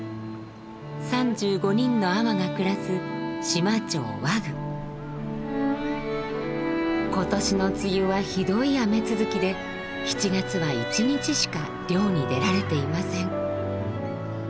３５人の海女が暮らす今年の梅雨はひどい雨続きで７月は１日しか漁に出られていません。